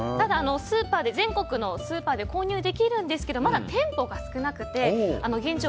全国のスーパーで購入できるんですけどまだ店舗が少なくて現状